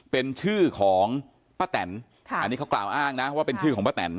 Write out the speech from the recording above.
เป็นชื่อของป้าแตนค่ะอันนี้เขากล่าวอ้างนะว่าเป็นชื่อของป้าแตน